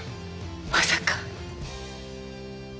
まさか？